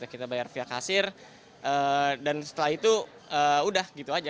kita bayar via kasir dan setelah itu udah gitu aja